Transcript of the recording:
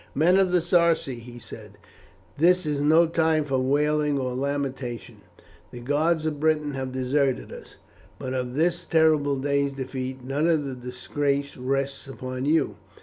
"Men of the Sarci," he said, "this is no time for wailing or lamentation; the gods of Britain have deserted us, but of this terrible day's defeat none of the disgrace rests upon you.